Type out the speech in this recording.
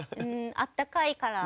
あったかいから。